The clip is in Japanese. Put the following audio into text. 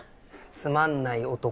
つまんない男。